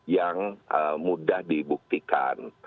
yang mudah dibuktikan